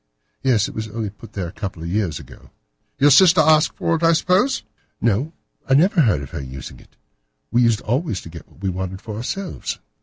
"Yes, it was only put there a couple of years ago." "Your sister asked for it, I suppose?" "No, I never heard of her using it. We used always to get what we wanted for ourselves."